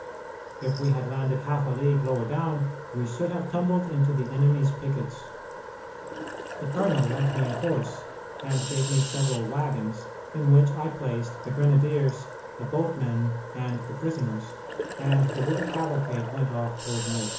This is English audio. If we had landed half a league lower down we should have tumbled into the enemy's pickets. The colonel lent me a horse, and gave me several wagons, in which I placed the grenadiers, the boatmen, and the prisoners, and the little cavalcade went off toward Molk.